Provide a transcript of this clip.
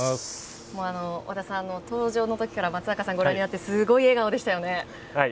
和田さん、登場の時から松坂さんをご覧になっていてすごい笑顔でしたよね。